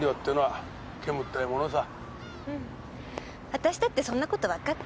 私だってそんなことわかってる。